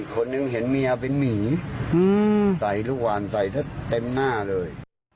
คนหนึ่งเห็นเมียเป็นหมีใส่ทุกวันใส่เต็มหน้าเลย